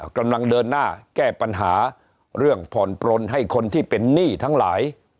กำลังเดินหน้าแก้ปัญหาเรื่องผ่อนปลนให้คนที่เป็นหนี้ทั้งหลาย